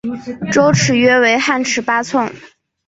周尺约为汉尺八寸。